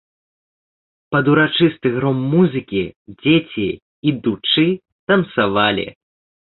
Пад урачысты гром музыкі дзеці, ідучы, танцавалі.